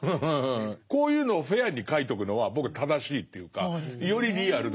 こういうのをフェアに書いとくのは僕は正しいというかよりリアルだと思う。